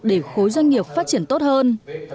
để khối doanh nghiệp phát triển tốt hơn